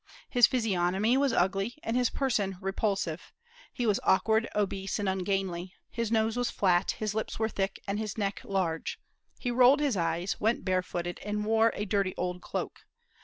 His physiognomy was ugly and his person repulsive; he was awkward, obese, and ungainly; his nose was flat, his lips were thick, and his neck large; he rolled his eyes, went barefooted, and wore a dirty old cloak.